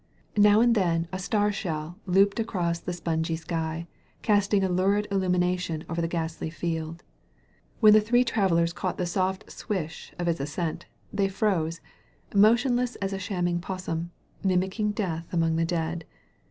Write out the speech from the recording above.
Now and then a star shell looped across the spongy sky, casting a lurid illumination over the ghastly field. When the three travellers caught the soft swish of its ascent, th^ "froase'* — emotion less as a shamming 'possum — mimicking death among the dead.